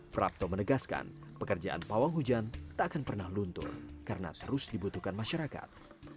prapto menegaskan pekerjaan pawang hujan tak akan pernah luntur karena terus dibutuhkan masyarakat